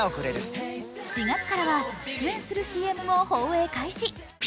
４月からは出演するＣＭも放映開始。